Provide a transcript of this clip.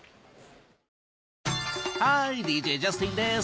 ハーイＤＪジャスティンです！